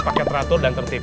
pake teratur dan tertib